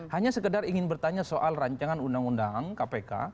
hanya sekedar ingin bertanya soal rancangan undang undang kpk